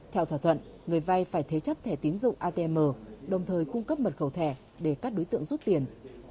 theo thỏa thuận người vay phải thế chấp thẻ tín dụng atm đồng thời cung cấp mật khẩu thẻ để các đối tượng rút tiền